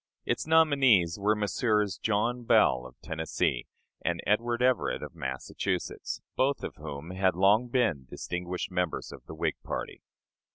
Its nominees were Messrs. John Bell, of Tennessee, and Edward Everett, of Massachusetts, both of whom had long been distinguished members of the Whig party.